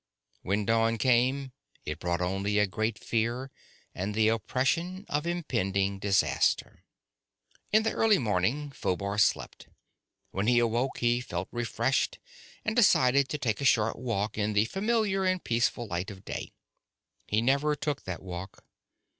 When dawn came, it brought only a great fear and the oppression of impending disaster. In the early morning, Phobar slept. When he awoke, he felt refreshed and decided to take a short walk in the familiar and peaceful light of day. He never took that walk.